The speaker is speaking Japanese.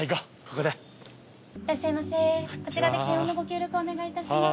こちらで検温のご協力をお願いいたします。